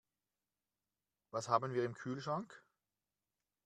Was haben wir im Kühlschrank?